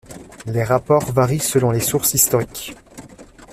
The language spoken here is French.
Les rapports varient selon les sources historiques.